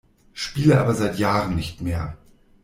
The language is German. Spiele aber seit Jahren nicht mehr.